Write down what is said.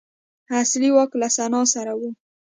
اصلي واک له سنا سره و